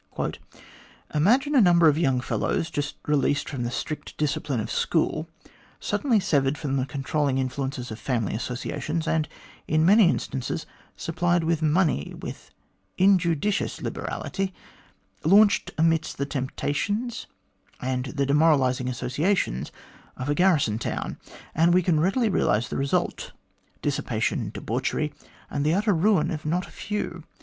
"Imagine a number of young fellows, just released from the strict discipline of school, suddenly severed from the controlling influences of family associations, and in many instances supplied with money with injudicious liberality, launched amidst the temptations and the demoralising associations of a garrison town, and we can readily realise the result dissipation, debauchery, and utter ruin of not a few.